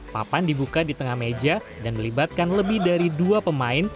papan dibuka di tengah meja dan melibatkan lebih dari dua pemain